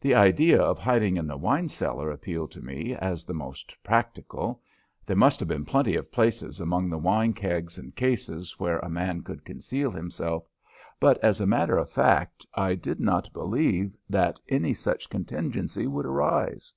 The idea of hiding in the wine cellar appealed to me as the most practical; there must have been plenty of places among the wine kegs and cases where a man could conceal himself, but, as a matter of fact, I did not believe that any such contingency would arise.